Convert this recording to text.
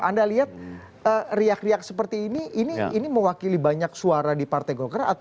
anda lihat riak riak seperti ini ini mewakili banyak suara di partai golkar